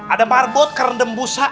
ada marbot kerendam busa